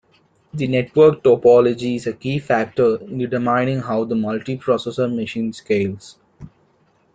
The network topology is a key factor in determining how the multiprocessor machine scales.